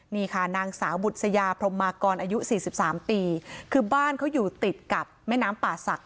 นี่ค่ะนางสาวบุษยาพรมมากรอายุสี่สิบสามปีคือบ้านเขาอยู่ติดกับแม่น้ำป่าศักดิ